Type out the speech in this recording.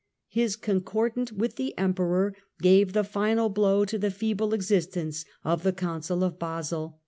His Concordat End of the with the Emperor gave the final blow to the feeble exist B°gi""2449ence of the Council of Basle.